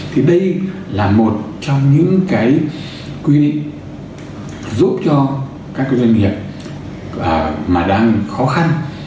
thì đây là một trong những cái quy định giúp cho các doanh nghiệp mà đang khó khăn